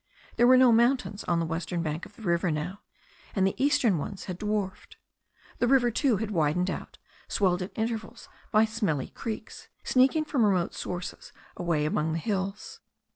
There were no mountains on the western bank of the river now, and the eastern ones had dwarfed. The river, too, had widened out, swelled at intervals by smelly creeks, sneaking from remote sources away among the hills.